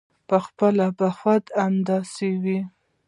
پخپله به خود همداسې وي.